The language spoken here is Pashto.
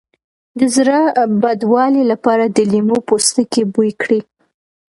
د زړه بدوالي لپاره د لیمو پوستکی بوی کړئ